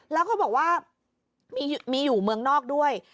แล้วก็บอกว่ามีอยู่เมืองนอกด้วย